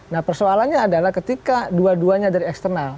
nah persoalannya adalah ketika dua duanya dari eksternal